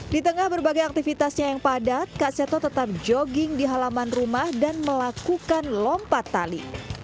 di tengah berbagai aktivitasnya yang padat kak seto tetap jogging di halaman rumah dan melakukan lompat tali